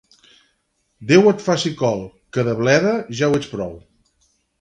Déu et faci col, que de bleda ja ho ets prou.